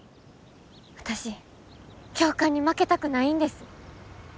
私教官に負けたくないんです。